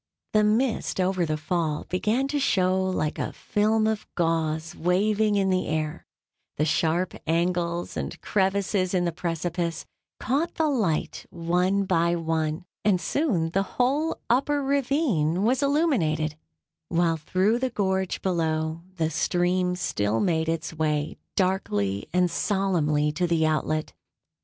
The mist over the Fall began to show like a film of gauze waving in the air; the sharp angles and crevices in the precipice caught the light one by one, and soon the whole upper ravine was illuminated, while through the gorge below the stream still made its way darkly and solemnly to the outlet.